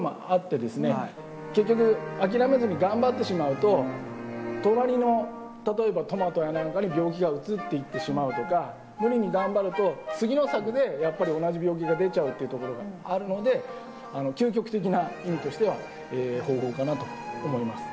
結局諦めずに頑張ってしまうと隣の例えばトマトや何かに病気がうつっていってしまうとか無理に頑張ると次の作でやっぱり同じ病気が出ちゃうっていうところがあるので究極的な意味としては方法かなと思います。